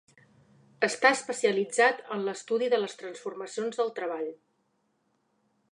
Està especialitzat en l'estudi de les transformacions del treball.